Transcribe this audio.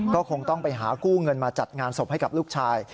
ก็คงต้องไปหากู้เงินมาจัดงานศพให้กับลูกชาย